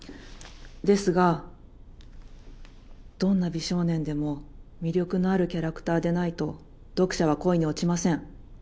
ですがどんな美少年でも魅力のあるキャラクターでないと読者は恋に落ちません。